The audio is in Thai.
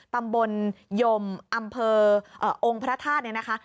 ตำบลยมอำเภอองค์พระธาตุเนี่ยนะคะ